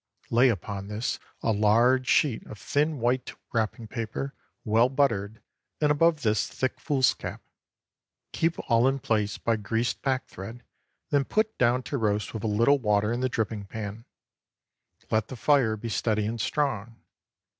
Lay upon this a large sheet of thin white wrapping paper well buttered, and above this thick foolscap. Keep all in place by greased pack thread, then put down to roast with a little water in the dripping pan. Let the fire be steady and strong.